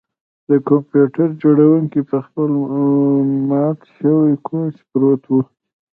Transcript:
د کمپیوټر جوړونکی په خپل مات شوي کوچ پروت و